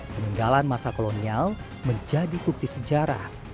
peninggalan masa kolonial menjadi bukti sejarah